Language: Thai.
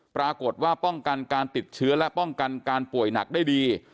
ปรากฏว่าป้องกันการติดเชื้อและป้องกันการป่วยหนักได้ดี